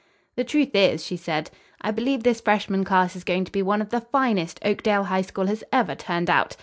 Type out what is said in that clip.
"The truth is," she said, "I believe this freshman class is going to be one of the finest Oakdale High School has ever turned out.